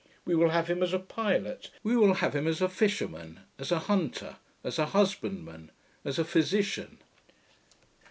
We will have him as a pilot; we will have him as a fisherman, as a hunter, as a husbandman, as a physician.'